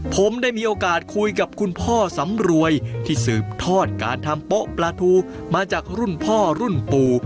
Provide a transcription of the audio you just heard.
ผมได้มีโอกาสคุยกับคุณพ่อสำรวยที่สืบทอดการทำโป๊ะปลาทูมาจากรุ่นพ่อรุ่นปู่